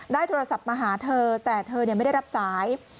โทรศัพท์มาหาเธอแต่เธอไม่ได้รับสาย